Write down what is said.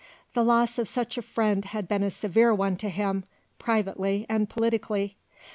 The loss of such a friend had been a severe one to him, privately and politically.